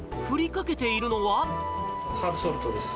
ハーブソルトです。